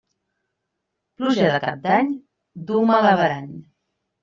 Pluja de Cap d'any duu mal averany.